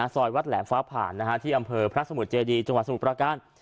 ซอยวัดแหลมฟ้าผ่านที่อำเภอพระสมุทรเจดีจังหวัดสมุทรประการ